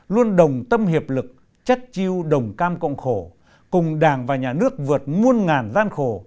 luôn đồng tâm hiệp lực chất chiêu đồng cam cộng khổ cùng đảng và nhà nước vượt muôn ngàn gian khổ